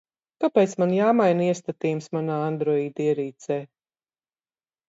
Kāpēc man jāmaina iestatījums manā android ierīcē?